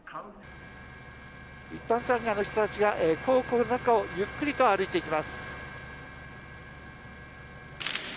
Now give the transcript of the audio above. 一般参賀の人たちが皇居の中をゆっくりと歩いていきます。